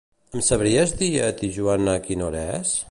Em sabries dir a Tijuana quina hora és?